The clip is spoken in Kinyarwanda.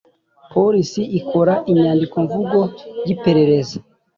polisi ikora inyandiko mvugo y iperereza